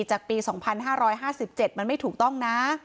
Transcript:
จากปี๒๕๕๗มันไม่ถูกต้องนะ